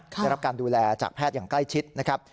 ได้รับการดูแลจากแพทย์อย่างใกล้ชิดนะครับ